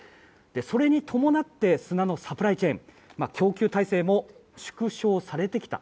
それに伴って砂のサプライチェーン供給体制も縮小されてきた。